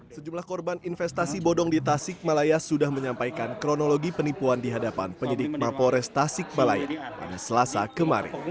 sejumlah korban investasi bodong di tasik malaya sudah menyampaikan kronologi penipuan di hadapan penyidik mapores tasik malaya pada selasa kemarin